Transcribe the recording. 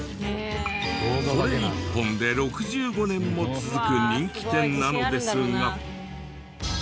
これ一本で６５年も続く人気店なのですが。